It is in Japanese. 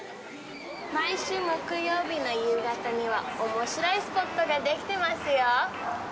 毎週木曜日の夕方にはおもしろいスポットができてますよ。